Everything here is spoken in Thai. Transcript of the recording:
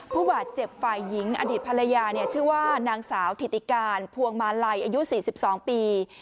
ผู้บาดเจ็บฝ่ายหญิงอดีตภรรยาชื่อว่านางสาวถิติการพวงมาลัยอายุ๔๒ปี